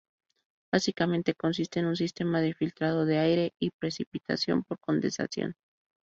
Básicamente, consiste en un sistema de filtrado de aire y precipitación por condensación.